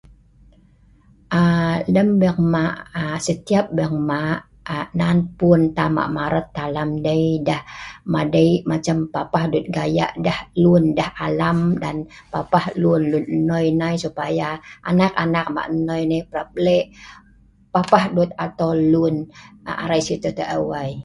aaa lem beieng ma' setiap beieng ma nan pun tam ma alam, dei deh madei macam papah dut gaya' deh lun deh alam dan dut lun nok noi nai supaya anak anak ma noi nai lek papah dut atol lun si taeu ai.